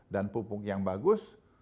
dan pupuk yang bagus